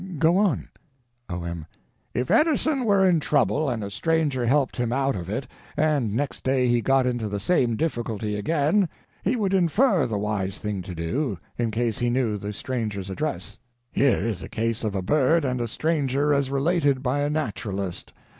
Go on. O.M. If Edison were in trouble and a stranger helped him out of it and next day he got into the same difficulty again, he would infer the wise thing to do in case he knew the stranger's address. Here is a case of a bird and a stranger as related by a naturalist.